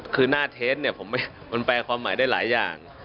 คือหน้าเทสเนี่ยมันแปลความหมายได้หลายอย่าง